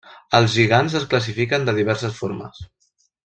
Els lligands es classifiquen de diverses formes.